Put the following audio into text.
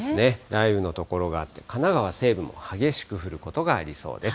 雷雨の所があって、神奈川西部も激しく降ることがありそうです。